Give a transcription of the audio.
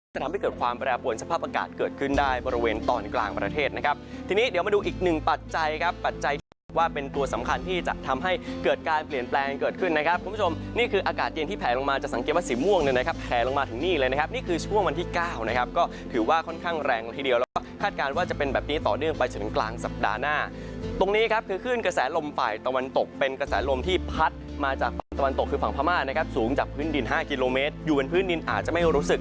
จะทำให้เกิดความแปรปวนสภาพอากาศเกิดขึ้นได้บริเวณตอนกลางประเทศนะครับทีนี้เดี๋ยวมาดูอีกหนึ่งปัจจัยครับปัจจัยว่าเป็นตัวสำคัญที่จะทำให้เกิดการเปลี่ยนแปลงเกิดขึ้นนะครับคุณผู้ชมนี่คืออากาศเย็นที่แผลลงมาจะสังเกตว่าสีม่วงเลยนะครับแผลลงมาถึงนี่เลยนะครับนี่คือช่วงวันที่๙